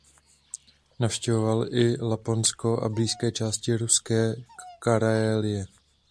Navštěvoval i Laponsko a blízké části ruské Karélie.